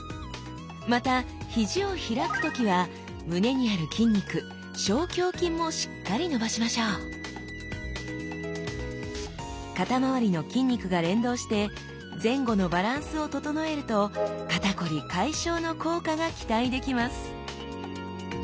またひじを開く時は胸にある筋肉小胸筋もしっかり伸ばしましょう肩まわりの筋肉が連動して前後のバランスを整えると肩こり解消の効果が期待できます